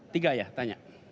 tiga ya tanya